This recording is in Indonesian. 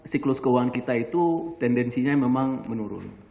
siklus keuangan kita itu tendensinya memang menurun